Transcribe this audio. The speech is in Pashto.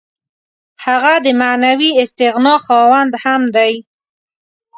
هغه د معنوي استغنا خاوند هم دی.